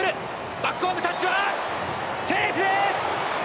バックホーム、タッチはセーフです！